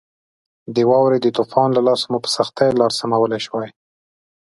د واورې د طوفان له لاسه مو په سختۍ لار سمولای شوای.